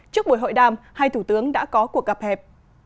trước buổi hội đàm hai thủ tướng đã có cuộc gặp hẹp